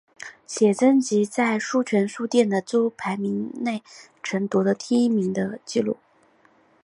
写真集在书泉书店的周排名内曾夺得第一名的纪录。